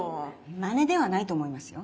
まねではないと思いますよ。